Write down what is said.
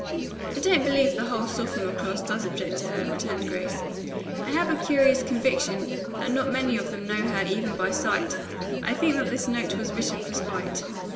"I don't believe the whole sophomore class does object to her," returned Grace. "I have a curious conviction that not many of them know her even by sight. I think that this note was written for spite."